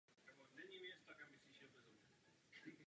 Během svého věznění papež za několik dní zemřel.